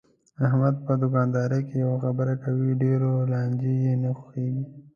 احمد په دوکاندارۍ کې یوه خبره کوي، ډېرو لانجې یې نه خوښږي.